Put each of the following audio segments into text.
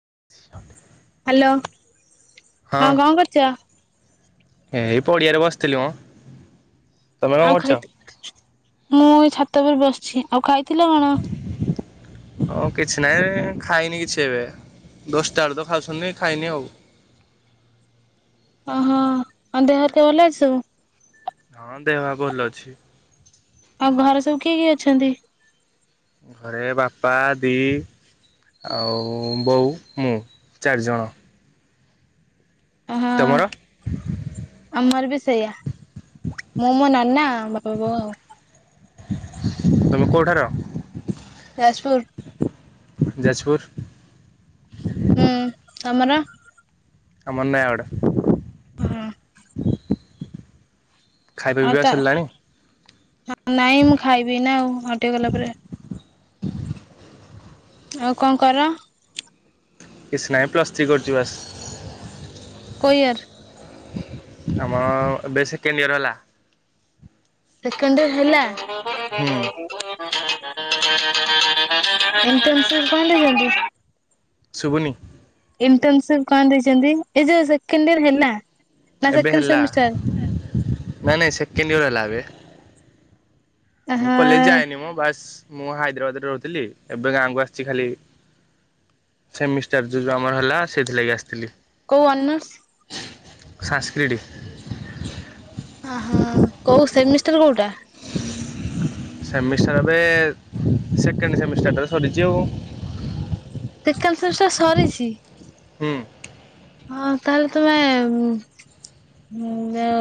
[unintelligible] Hello ହଁ ହଁ କଣ କରୁଛ? ଏଇ ପଡିଆରେ ବସିଥିଲି ମ। ତମେ କଣ ଆଉ କରୁଛ? ଖାଇତ ମୁଁ ଏ ଛାତ ଉପ ବସିଛି ଆଉ ଖାଇଥିଲ କଣ? ହଉ କିଛି ନାହିଁ ଖାଇନି କିଛି ଏବେ। ଦଶଟା ଆଳୁତ ଖାଉଛନ୍ତି ଖାଇନି ଆଉ। ଅହୋ ଆଉ ଦେହ ହତିଆ ଭଲ ଅଛି ସବୁ? ହଁ ଦେହଗା ଭଲ ଅଛି। ଆଉ ଘରେ ସବୁ କିଏ କିଏ ଅଛନ୍ତି? ଘରେ ବାପା ଦି - ଆଉ ବୋଉ ମୁଁ ଚାରିଜଣ। ହଁ ତମର? ଆମର ବି ସେଇଆ ମୁଁ ମୋ ନନା ବାପା ବୋଉ ଆଉ। ତମେ କୋଉଠାର? ଯାଜପୁର ଯାଜପୁର। ହୁଁ ତମର? ଆମର ନୟାଗଡ। ହଁ ଖାଇବା ଆଉ ପିଇବା ତା ସରିଲାଣି। ନାଇଁ, ମୁଁ ଖାଇବି ଏଇନା ଆଉ, ଆଉ ଟିକେ ଗଲା ପରେ। ଆଉ କଣ କର? କିଛି ନାହିଁ ପ୍ଲସ୍ ଥ୍ରୀ କରୁଛି ବାସ୍। କୋ ଇୟର୍? ଆମର, ଏବେ ସେକେଣ୍ଡ ଇଅର୍ ହେଲା। ସେକଣ୍ଡ ଇଅର୍ ହେଲା। ହୁଁ। ଏମତିଏମତି କଣ ଦେଇଛନ୍ତି? ଶୁଭୁନି। ଇଣ୍ଟନସିପ୍ କଣ ଦେଇଛନ୍ତି? ଏ ଯୋଉ ସେକଣ୍ଡ ଇଅର୍ ହେଲା। ନା ଏବେ ସେକେଣ୍ଡ ହେଲା, ସେମିଷ୍ଟାର? ନା ନାଇଁ ସେକେଣ୍ଡ ୟଅର ହେଲା ଏବେ। ମୁଁ ହଁ କଲେଜ ଯାଏନି। ମୋ ବାସ୍ ମୁଁ ହାଇଦ୍ରାବାଦରେ ରହୁଥିଲି। ଏବେ ଗାଁକୁ ଆସଛି ଖାଲି ସେମିଷ୍ଟାର ଯୋଉ ଯୋଉ ଆମର ହେଲା, ସେଇଥିଲାଗି ଆସଥିଲି। କୋଉ ଅନରସ? ସାନ୍ସକ୍ରୀଟି। ଓହୋ କୋଉ ସେମିଷ୍ଟାର କୋଉଟା? ସେମିଷ୍ଟାର ଏବେ ସେକେଣ୍ଡ ସେମିଷ୍ଟାରଟା ସରିଛି ଆଉ। ସେକେଣ୍ଡ ସେମିଷ୍ଟାର ସରିଛି! ହୁଁ। ହଁ, ତାହେଲେ ତୁମେ-ଏମ୍ ଯଉ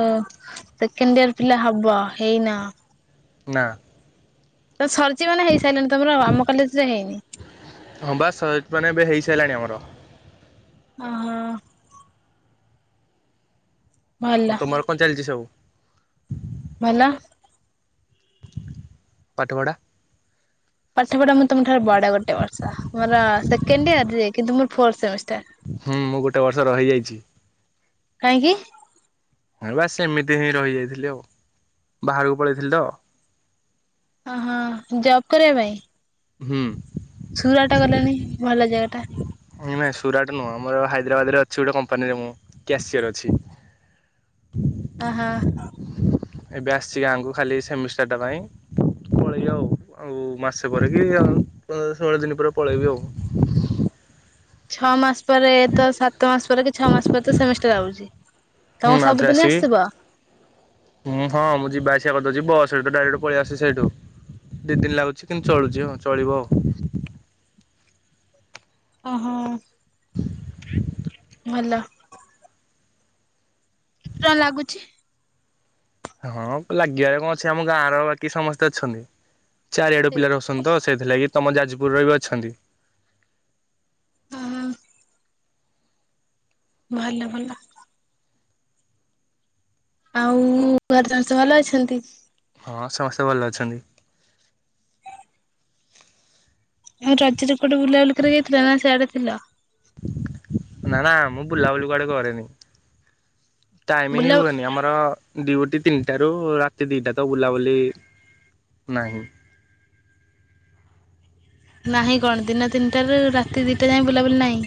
ସେକେଣ୍ଡ ଇୟର ପିଲା ହବ। ହେଇନ? ନା, ତ ସରିଚି ମାନେ ହେଇସାଇଲାଣି। ତମର ଆମ କଲେଜରେ ହେଇନି। ର, ହ, ହଁ। ଭଲ ଆଉ ତମର କଣ ଚାଲିଛି ସବୁ? ଭଲ। ପାଠ ପଢ଼ା। ପାଠ ପଢା ମୁଁ ତମ ଠାରୁ ବଡ ଗୋଟେ ବର୍ଷ। ମୋର ସେକେଣ୍ଡ ଇୟର ଯେ, କିନ୍ତୁ ମୋର ଫୋର୍ ସେମିଷ୍ଟାର। ହୁଁ, ମୁଁ ଗୋଟେ ବର୍ଷ ରହିଁ ଯାଇଛି। କାହିଁକି? ବାସ୍ ସେମିତି ହିଁ ରହିଯାଇଥିଲି ଆଉ। ବାହାରକୁ ପଳେଇଥିଲି ତ! ଓହୋ ଜବ୍ କରିବା ପାଇଁ ହୁଁ। ସୁରାଟ ଗଲେନି ଭଲ ଜାଗା ଟା? ନାଇଁ ସୁରାଟ ନୁହଁ। ଆମର ହାଇଦ୍ରାବାଦରେ ଅଛି ଗୋଟେ କମ୍ପାନୀରେ ମୁଁ କ୍ୟାସିୟର ଅଛି। [inaudible] ଅ ହ, ଏବେ ଆସଛି ଗାଁକୁ ଖାଲି ସେମିଷ୍ଟାରଟା ପାଇଁ। ପଳେଇବି ଆଉ। ଆଉ, ମାସେ ପରେ କି ଆଉ ପନ୍ଦର ଷୋହଳ ଦିନ ପରେ ପଳେଇବି ଆଉ। [inaudible] ଛଅ ମାସ ପରେ, ତ ସାତ ମାସ ପରେ, କି ଛଅ ମାସ ପରେ ତ ସେମିଷ୍ଟାର ଆଉଛି। ହୁଁ, ତମକୁ ଆଥରେ ସବୁଦିନ ଆସିବି, ଆସିବ? ହୁଁ ହଁ ମୁଁ ଯିବା ଆସିବା କରିଦଉଛି। ବସ୍ ସେଠୁ ଡାଇରେକ୍ଟ ପଳେଇ ଆସ୍ ସି ସେଇଠୁ, ଦି ଦିନ ଲାଗୁଛି। କିନ୍ତୁ ଚଳୁଛି ହଁ ଚଳିବ ଆଉ। ଓ ହୋ! ତ ଭଲ। କେତେ ଟଆଁ ଲାଗୁଛି? ହଁ, ଲାଗିବାରେ କଣ ଅଛି? ଆମ ଗାଁର ବାକି ସମସ୍ତେ ଅଛନ୍ତି। ଚାରିଆଡ ପିଲା ରହସନ୍ ତ ସେଇଥିଲାଗି, ତମ ଯାଜପୁରର ବି ଅଛନ୍ତି। ହଁ ଭଲ ଭଲ। ଆଉ ଘର ସମସ୍ତେ ଭଲ ଅଛନ୍ତି? ହଁ ସମସ୍ତେ ଭଲ ଅଛନ୍ତି। ଆଉ ରଜ୍ ରେ କୁଆଡ଼େ ବୁଲା ବୁଲି କରିବାକୁ ଯାଇଥିଲ ନା ସିଆଡ଼େ ଥିଲ। ନା ନା ମୁଁ ବୁଲାବୁଲି କୁଆଡେ କରେନି। ଟାଇମ ହିଁ ବୁଲା ହୁଏନି ଆମର। ଡିଉଟି ତିନିଟାରୁ ରାତି ଦିଟା ତ ବୁଲାବୁଲି ନାହିଁ। ନାହିଁ କଣ ଦିନ ତିନିଟାରୁ ରାତି ଦିଟା ଯାଏ ବୁଲାବୁଲି ନାହିଁ।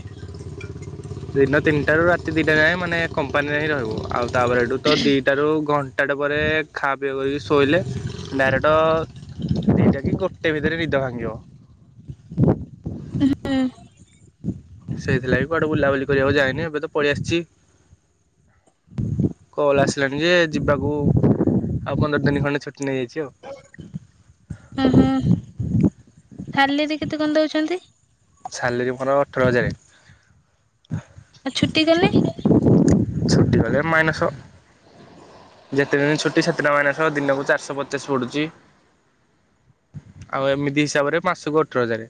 ଦିନ ତିନିଟା ରୁ ରାତି ଦିଟା ଯାଏଁ ମାନେ କମ୍ପାନୀରେ ହିଁ ରହିବୁ ଆଉ ତାପରେ ଏଠୁ ତ ଦିଟାରୁ ଘ ଘଣ୍ଟାଟେ ପରେ ଖାଆ ପିଆ କରିକି ଶୋଇଲେ ଡାଇରେକ୍ଟ ଦି ଟା କି ଗୋଟେ ଭିତରେ ନିଦ ଭାଙ୍ଗିବ। ଉଁ ହୁଁ ହୁଁ। ସେଇଥିଲାଗି କୁଆଡେ ବୁଲାବୁଲି କରିବାକୁ ଯାଇନି ଏବେ ତ ପଳେଇଆସିଛି। କଲ ଆସିଲାଣି ଯେ ଯିବାକୁ ଆଉ ପନ୍ଦର ଦିନି ଖଣ୍ଡେ ଛୁ ନେଇଯାଇଛି ଆଉ। ସାଲେରି କେତେ କଣ ଦଉଛନ୍ତି? ସାଲେରୀ ମୋର ଅଠର ହଜାରେ। ଆ ଛୁଟି ଦେନେ। ଛୁଟି କଲେ ମାଇନସ। ଯେତେଦିନି ଛୁଟି ସେତେ ଟଙ୍କା ମାଇନସ ଦିନକୁ ଚାରିଶହ ପଚାଶ ପଡୁଚି। ଆଉ ଏମିତି ହିସାବରେ ମାସକୁ ଅଠର ହଜାରେ।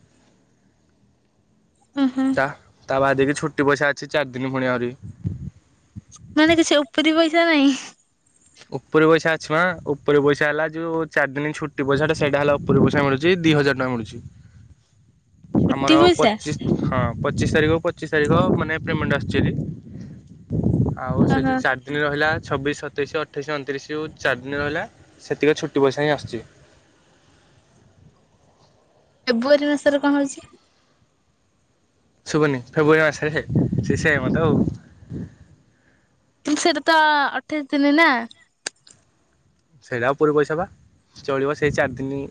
ଉଁ ହୁଁ ତା ତା ବାଦେ ବି ଛୁଟି ପଇସା ଅଛି ଚାରି ଦିନ ପୁଣି ଆହୁରି। ମାନେ କିଛି ଉପୁରି ପଇସା ନାହିଁ। ଉପରି ପଇସା ଅଛି ମା ଉପରି ପଇସା ହେଲା ଯୋଉ ଚାରି ଦିନି ଛୁଟି ପଇସା ଟା ସେଇଟା ହେଲା ଉପରି ପଇସା ମିଳୁଛି ଦି ହଜାର ଟଙ୍କା ମିଳୁଛି ଛୁଟି ଆମର ପଇସା ପଚିଶ ହଁ ପଚିଶ ତାରିଖକୁ ପଚିଶ ତାରିଖ ମାନେ ପେମେଣ୍ଟ ଆସୂଚୀ ହେରି। ଆଉ ସେ ଓହୋ ଯୋଉ ଚାରିଦିନ ରହିଲା ଛବିଶ ସ ସତେଇଶି ଅଠେଇଶି ଅଣତିରିଶିରୁ ଚାରିଦିନ ରହିଲା ସେତିକ ଛୁଟି ପଇସା ହିଁ ଆସୁଛି। [inaudible] ଫେବୁଆରୀ ମାସରେ କଣ ହଉଛି? ଶୁଭୁନି ଫେବୃଆାରୀ ମାସରେ ସେ ସେମ ତ ଆଉ। କିନ୍ତୁ ସେଇଟା ତ ଅଠେଇଶ ଦିନି ନା। ସେଇଟା ଉପୁରୀ ପଇସା ବା ଚଳିବ ସେଇ ଚାରିଦିନି।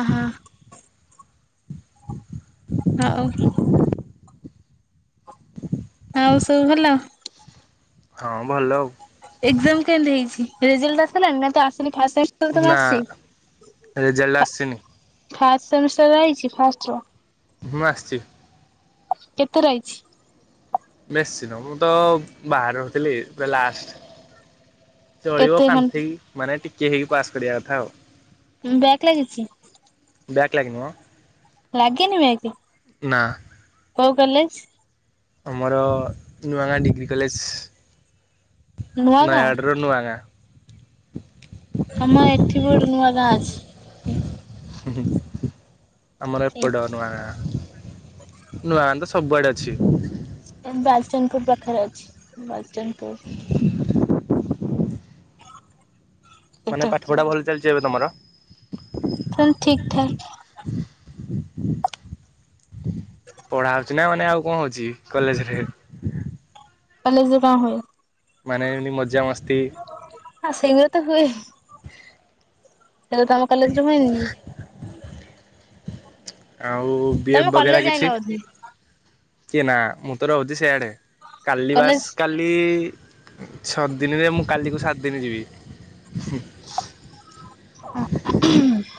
ଅ ହ। ଆଉ ସବୁ ଭଲ? ହଁ, ଭଲ ଆଉ। ଏକ୍ଜାମ କେମିତି ହେଇଛି? ରେଜଲ୍ଟ ବାହାରିସାରିଲାଣି ନା ତ ଆସ କିନ୍ତୁ ଫାର୍ଷ୍ଟ ସେମ ତ ତମର ନା ଆସିଛି ରେଜଲ୍ଟ ଫା ଆସିନି ଫାଷ୍ଟ ସେମିଷ୍ଟାର ଆଇଚି ଫାଷ୍ଟ ର। ହୁଁ ମ ଆସଚି। କେତେ ରହିଛି? ବେଶି ନୁହ ମୁଁ ତ ବାହାରେ ରହୁଥିଲି ପୁରା ଲାଷ୍ଟ। ଚଳିବ କେତେ ଘଣ୍ଟା କାନ୍ଥେଇ ମାନେ ଟିକେ ହେଇକି ପାସ କରିବା କଥା ଆଉ। ଉଁ ବ୍ୟାକ ଲାଗିଚି? ବ୍ୟାକ୍ ଲାଗିନି ମ। ଲାଗିନି ବ୍ୟାକେ? ନା। କୋଉ କଲେଜ୍? ଆମର ନୂଆ ଗାଁ ଡିଗ୍ରୀ କଲେଜ୍ ନୂଆ ଗାଁ ନୟାଆଡ଼ରୁ ନୁଆଙ୍ଗା। ଆମର ଏଠି ବି ଗୋଟେ ନୂଆ ଗାଁ ଅଛି। ହୁଁ ଆମର ଏପଟେ ନୁଆ ଗାଁ। ନୂଆ ଗାଁ ତ ସବୁଆଡେ ଅଛି। ଏନ୍ ବାଲଚାନ୍ଦପୁର ପାଖରେ ଅଛି ବାଲଚାନ୍ଦପୁର। ମାନେ ପାଠ୍ ତାହେଲେ ପଢା଼ ଭଲ ଚାଲଚି ଏବେ ତମର? ଚାଲ ଠିକ୍ ଠାକ୍। ପଢା଼ ଅଛି ନା ଆଉ ମାନେ ଆଉ କଣ ଅଛି କଲେଜରେ କଲେଜେରେ ଙ୍କ ହୁଏ ମାନେ ଏମିତି ମଜାମସ୍ତି ସେଇଗୁରା ତ ହୁଏ ହେଁ। ସେବେତ ଆମ କଲେଜରେ ହୁଏନିକି? ଆଉ ବି ଏଫ୍ ବଗେରା କଲେଜ ଯାଇନ କିଛି? ବୋଧେ ଚିଏନା ମୁଁ ତ ରହୁଛି ସିଆଡ଼େ କାଲି ବାସ କଲେଜ କାଲି ଛଅ ଦିନିରେ ମୁଁ କାଲିକୁ ସାତ ଦିନ ଯିବି ହୁଁ ଆ, [unintelligible]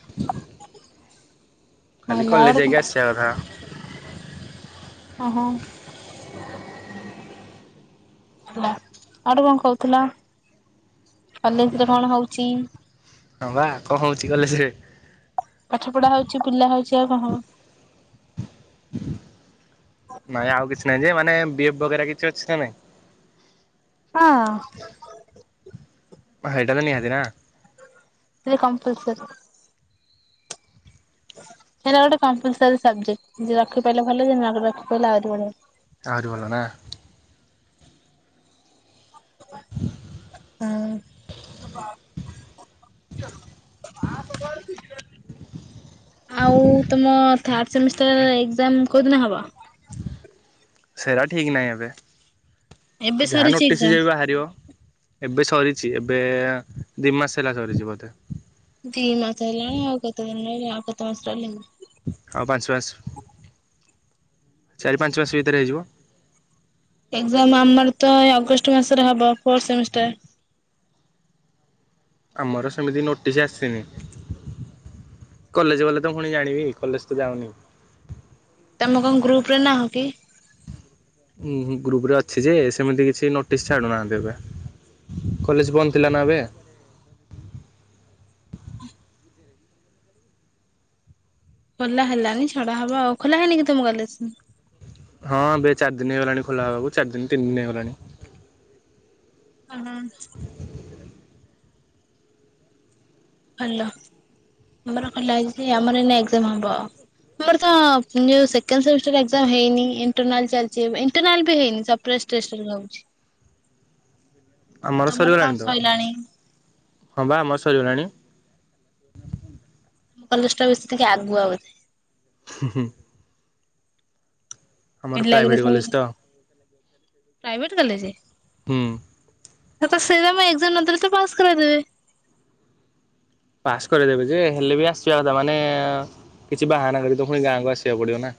ଖାଲି କଲେଜ ଯାଇକି ଆସିବା କଥା। ଓହୋ ଆଉ ଗୋଟେ କଣ କହୁଥିଲା କଲେଜରେ କଣ ହଉଚି? ହଁ ବା କଣ ହଉଛି କଲେ ସେ ପାଠ ପଢା଼ ହଉଛି ବୁଲା ହଉଛି ଆଉ କଣ ହବ। ନାଇଁ ଆଉ କିଛି ନାଇଁ ଯେ ମାନେ ବି ଏଫ୍ ବଗେରା କିଛି ଅଛି ନା ନାଇଁ? ହଁ। ହେଇଟା ତ ନିହାତି ନା? ସେ କମ୍ପଲସରି ହେଲା ଗୋଟେ କମ୍ପଲସରୀ ସବଜେକ୍ଟ ଯେ ରଖିପାରିଲେ ଭଲ ଯେ ନରଖିପରିଲା ଆହୁରି ବଢି଼ଆ। ଆହୁରି ଭଲ ନା? ହୁଁ। [inaudible] ଆଉ ତୁମ ଥାଡ଼ ସେମିଷ୍ଟର ଏକ୍ଜାମ୍ କୋଉଦିନ ହବ? ସେରା ଠିକ୍ ନାହିଁ ଏବେ। ଏବେ ଯାହା ସରିଛି ନୋଟିସ୍ ଏକ୍ଜାମ କେବେ ବାହାରିବ ଏବେ ସବ୍ ସରିଛି ଏବେ ଦିମାସ୍ ହେଲା ସରିଛି ବୋଧେ। ଦି ମାସ ହେଲାଣି ଆଉ କେତେ ଦିନ ରହିଲା ଆଉ କେତେ ମାସ ରହିଲାଣି? ଆଉ ପାଞ୍ଚ ମାସ। ଚାରି ପାଞ୍ଚ ମାସ ଭିତରେ ହେଇଯିବ। ଏକ୍ଜାମ୍ ଆମର ତ ଅଗଷ୍ଟ ମାସରେ ହବ ଫୋର୍ ସେମିଷ୍ଟର। ଆମର ସେମିତି ନୋଟିସ୍ ଆସିନି। କଲେଜ ଗଲେ ତ ପୁଣି ଜାଣିବି କଲେଜ ତ ଯାଉନି। ତମ କଣ ଗ୍ରୁପ ରେ ନାହଁ କି ଉୁଁ ଗ୍ରୁପ ରେ ଅଛି ଯେ ସେମିତି କିଛି ନୋଟିସ୍ ଛାଡୁନାହାନ୍ତି ଏବେ। କଲେଜ ବନ୍ଦ ଥିଲା ନା ଏବେ। ଖୋଲା ହେଲାନି ଛଡା ହବ ଆଉ ଖୋଲା ହେଇନି କି ତମ କଲେଜ? ହଁ ଏ ଚାରି ଦିନ ହେଇଗଲାଣି ଖୋଲା ହେବାକୁ ଚାରି ଦିନ ତିନି ଦିନ ହେଇଗଲାଣି। ହୁଁ ହୁଁ। ଭଲ ଆମର ଖୋଲା ହେଇଛି ଆମର ଏଇନା ଏକ୍ଜାମ୍ ହବ ଆଉ। ଆମର ତ ସେକେଣ୍ଡ ସେମିଷ୍ଟର ଏକ୍ଜାମ୍ ହେଇନି ଇଣ୍ଟରନାଲ ଚାଲିଚି ଏ ଇଣ୍ଟରନାଲ ବି ହେଇନି ସେ ଏ ଟେଷ୍ଟେ ରିଭାବୁଛି। ଆମର ସରିଗଲାଣି ତ ସଇଲାଣି ତମ ହଁ ବା ଆମର ସରିଗଲାଣି। ତମ କଲେଜ ଟା ବେଶୀ ଟିକେ ଆଗୁଆ ବୋଧେ। ହୁଁ ହୁଁ। ଆମର ପିଲା ଗୁରା ପ୍ରାଇଭେଟ ସବୁ କଲେଜ ତ। ପ୍ରାଇଭେଟ କଲେଜେ? ହୁଁ। ଆଉ ତ ସେମ୍, ଏକ୍ଜାମ ନ ଦେଲେ ତ, ସେ ପାସ୍ କରି ଦେବେ। ପାସ୍ କରିଦେବେ ଯେ, ହେଲେ ବି ଆସିବା କଥା ମାନେ କିଛି ବାହାନା କରିିକି ତ ପୁଣି ଗାଁକୁ ଆସିବାକୁ ପଡିବ ନା।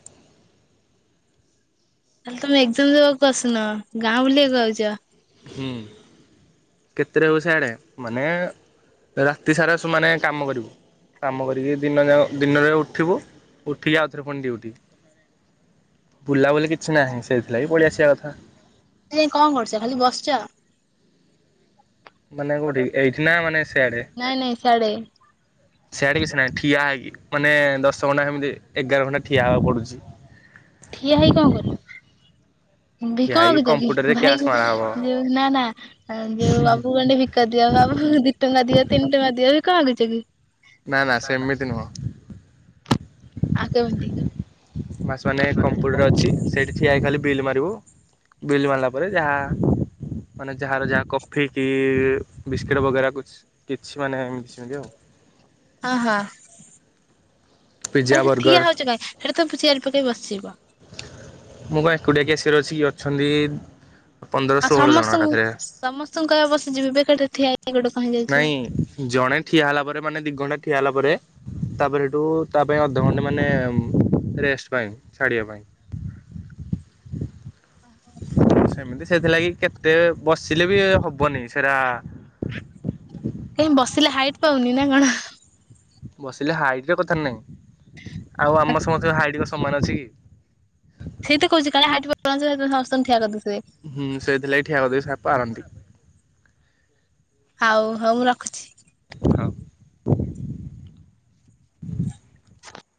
ତାହେଲେ ତମେ ଏକ୍ଜାମ ଦେବାକୁ ଆସୁନ। ଗାଁ ବୁଲିବାକୁ ଆଉଚ। ହୁଁ। କେତେ ରହୁଚି ସିଆଡ଼େ? ମାନେ ରାତି ସାରା ସମାନେ କାମ କରିବୁ। କାମ କରିକି ଦିନ ଯାକ, ଦିନରେ ଉଠିବୁ ଉଠିକି ଆଉଥରେ, ପୁଣି ଡିଉଟି। ବୁଲାବୁଲି କିଛି ନାହିଁ। ସେଇଥିଲାଗି ପଳି ଆସିବା କଥା। ସେଠି ଯାଇ କଣ କରୁଛ? ଖାଲି ବସିଛ? ମାନେ କୋଉଠି? ଏଇଠି ନା ମାନେ ସିଆଡେ? ନାଇଁ ନାଇଁ ସିଆଡେ ସେଆଡେ କିଛି ନାହିଁ। ଠିଆ ହେଇକି ମାନେ, ଦଶ ଘଣ୍ଟା କେମିତି ଏଗାର ଘଣ୍ଟା ଠିଆ ହବାକୁ ପଡୁଛି। ଠିଆ ହେଇ କଣ କରିବ? ଠିଆ ଭିକ ହେଇକି ମାଗୁଚ କି? କମ୍ପ୍ୟୁଟରରେ ଭାଇ କ୍ୟାସ୍ ମରା ହବ ଯୋଉ, ନା ନା ଆ ଯୋଉ ବାବୁ ଗଣ୍ଡେ ଭିକ ଦି ଦିଅ ବାବୁ, ଦି ଟଙ୍କା ଦିଅ, ତିନି ଟଙ୍କା ଦିଅ ବି ଭିକ ମାଗୁଚ କି? ନା ନା ସେମିତି ନୁହଁ। ଆ କେମିତି? ଫାର୍ଷ୍ଟ ମାନେ, କମ୍ପୁଟର ଅଛି। ସେଠି ଠିଆ ହେଇକି ଖାଲି ବିଲ୍ ମାନ ଟୁ, ବିଲ ମାରିଲା ପରେ, ଯାହା ମାନେ ଯାହାର, ଯା କଫି କି ବିସ୍କେଟ୍ ବଗେରା କୁଚ୍ଛ୍, କିଛି ମାନେ ଏମତି ସେମତି ଆଉ। ହଁ ହଁ। ପିଜା ନାଇ ସେ ଠିଆ ବର୍ଗର ହଉଛି କାଇଁ? ସେଟା ତ ଚେୟାର ପକେଇ ବସିବ। ମୁଁ କଣ ଏକୁଟିଆ କେସିଅର ଅଛି କି? ଅଛନ୍ତି ପନ୍ଦର ଆଉ ଷୋହଳ ଜଣ ସମସ୍ତଙ୍କୁ। ଏକାଥରେ। ସମସ୍ତଙ୍କୁ କହିବା ବସି ଯିବେ, ବେକାରଟାରେ ଠିଆ ହେଇକି ଗୋଟେ କଣ ହେଇଯାଉଛ। ନାଇଁ ଜଣେ ଠିଆ ହେଲା ପରେ, ମାନେ ଦିଘଣ୍ଟା ଠିଆ ହେଲା ପରେ, ତାପରେ ସେଠୁ ତା ପାଇଁ ଅଧଘଣ୍ଟେ ମାନେ ରେଷ୍ଟ ପାଇଁ। ଛାଡ଼ିବା ପାଇଁ। ସେମିତି ସେଥିଲାଗି କେତେ ବସିଲେ ବି ହବନି ସେରା କାହିଁ ବସିଲେ ହାଇଟ ପାଉନି ନା କଣ? ବସିଲେ ହାଇଟ ର କଥା ନାହିଁ। ଆଉ ଆମ ସମସ୍ତଙ୍କ ହାଇଟ ର ସମାନ ଅଛି କି? ସେଇି ତ କହୁଛି, କାଳେ ହାଇଟ୍ ପାଉନଥିବ, ସେଥିପାଇଁ ସମସ୍ତଙ୍କୁ ଠିଆ କରିଦଉଚ। ହୁଁ ସେଇଥିଲାଗୀ ଠିଆ କରି ପାରନ୍ତି। ହଉ, ହଉ ମୁଁ ରଖୁଛି। ହଁ।